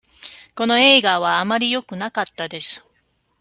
この映画はあまりよくなかったです。